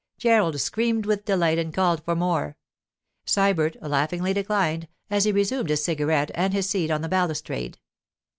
Gerald screamed with delight and called for more. Sybert laughingly declined, as he resumed his cigarette and his seat on the balustrade.